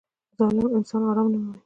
• ظالم انسان آرام نه مومي.